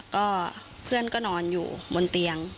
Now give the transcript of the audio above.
ก็เพื่อนก็นอนอยู่บนเตียง